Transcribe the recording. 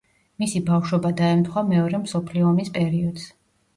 მისი ბავშვობა დაემთხვა მეორე მსოფლიო ომის პერიოდს.